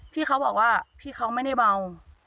พี่เขาบอกว่าพี่เขาไม่ได้เบา